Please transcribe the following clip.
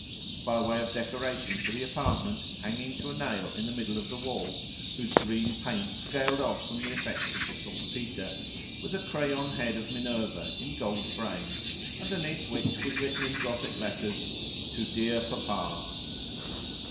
By way of decoration for the apartment, hanging to a nail in the middle of the wall, whose green paint scaled off from the effects of the saltpetre, was a crayon head of Minerva in gold frame, underneath which was written in Gothic letters "To dear Papa."